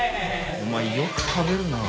お前よく食べるな。